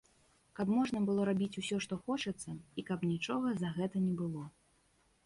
Каб можна было рабіць усё, што хочацца, і каб нічога за гэта не было.